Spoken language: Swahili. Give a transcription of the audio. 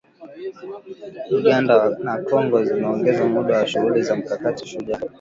Uganda na Kongo zimeongeza muda wa shughuli za Mkakati Shujaa